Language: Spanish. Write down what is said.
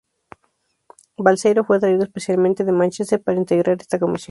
Balseiro fue traído especialmente de Mánchester para integrar esta comisión.